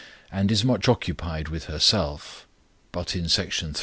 and is much occupied with herself; but in Section III.